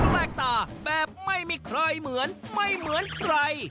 แตกตาแบบไม่มีใครเหมือนไม่เหมือนใคร